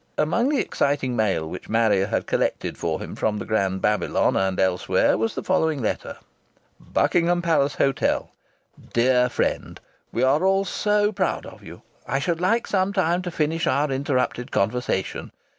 Among the exciting mail which Marrier had collected for him from the Grand Babylon and elsewhere, was the following letter: "BUCKINGHAM PALACE HOTEL. "DEAR FRIEND, We are all so proud of you. I should like some time to finish our interrupted conversation.